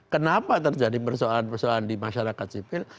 kenapa terjadi persoalan persoalan di masyarakat sipil